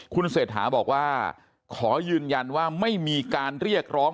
คุณเศรษฐาบอกว่าขอยืนยันว่าไม่มีการเรียกร้อง